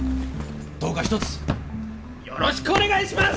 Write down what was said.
どうかひとつよろしくお願いします！